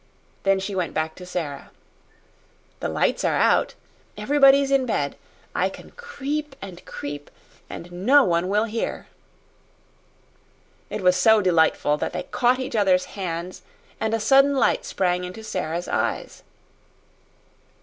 Then she went back to Sara. "The lights are out. Everybody's in bed. I can creep and creep and no one will hear." It was so delightful that they caught each other's hands and a sudden light sprang into Sara's eyes.